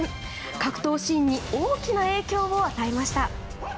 格闘シーンに大きな影響を与えました。